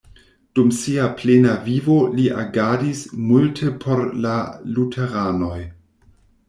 Dum sia plena vivo li agadis multe por la luteranoj.